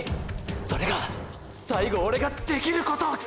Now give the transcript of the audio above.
それが最後オレができること！！